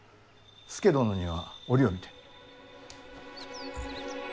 佐殿には折を見て。